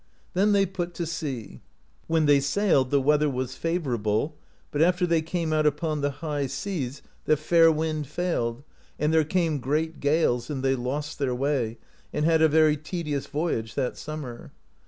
Then they put to sea. When they sailed the w^eather w^as favourable, but after they came out upon the high seas the fair wind failed, and there came great gales, and they lost their way, and had a very tedious voyage that summer.